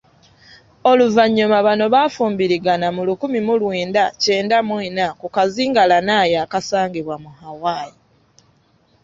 Oluvannyuma bano baafumbirigana mu lukumi mu lwenda kyenda mu ena ku kazinga Lanai akasangibwa mu Hawai.